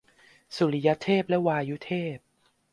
สุริยเทพและวายุเทพ